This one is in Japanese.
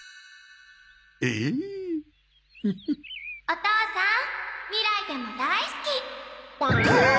「おとうさん未来でも大好き」はあ！